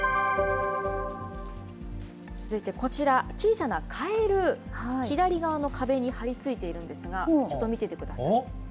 続いてこちら、小さなカエル、左側の壁に張り付いているんですが、ちょっと見ていてください。